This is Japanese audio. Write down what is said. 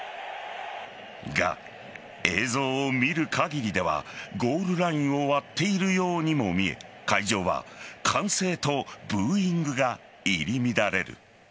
が、映像を見る限りではゴールラインを割っているようにも見え会場は歓声とブーイングが入り乱れる。